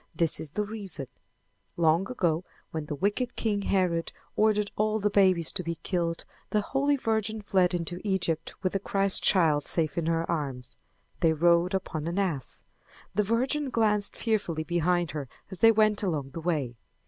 This is the reason: Long ago when the wicked king Herod ordered all the babies to be killed, the Holy Virgin fled into Egypt with the Christ child safe in her arms. They rode upon an ass. The Virgin glanced fearfully behind her as they went along the way.